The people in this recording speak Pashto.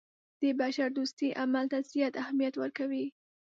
د بشردوستۍ عمل ته زیات اهمیت ورکوي.